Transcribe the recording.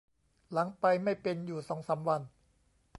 หลังไปไม่เป็นอยู่สองสามวัน